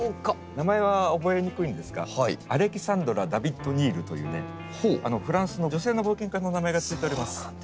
名前は覚えにくいんですが「アレキサンドラ・ダビッド・ニール」というねフランスの女性の冒険家の名前が付いております。